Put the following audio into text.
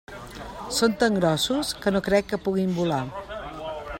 Són tan grossos que no crec que puguin volar.